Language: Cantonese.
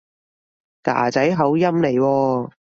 㗎仔口音嚟喎